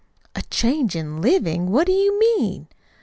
"A change in living! What do you mean?"